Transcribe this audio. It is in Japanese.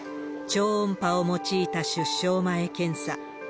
超音波を用いた出生前検査。